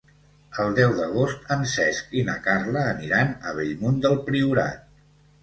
El deu d'agost en Cesc i na Carla aniran a Bellmunt del Priorat.